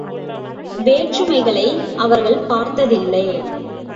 வேற்றுமைகளை அவர்கள் பார்த்ததில்லை.